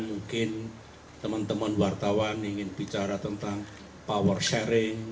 mungkin teman teman wartawan ingin bicara tentang power sharing